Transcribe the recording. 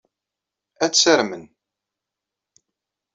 Ad tt-armen.